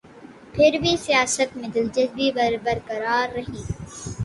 پھر بھی سیاست میں دلچسپی برقرار رہی۔